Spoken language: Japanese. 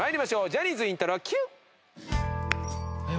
ジャニーズイントロＱ！